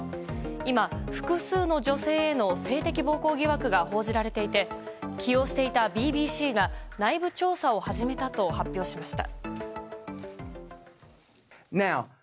今、複数の女性への性的暴行疑惑が報じられていて起用していたＢＢＣが内部調査を始めたと発表しました。